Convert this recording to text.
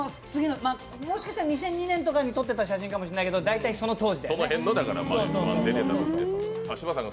もしかしたら２００２年とかにとってたかもしれないけど大体その当時だよね。